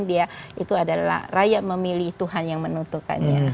dia itu adalah rakyat memilih tuhan yang menuntukannya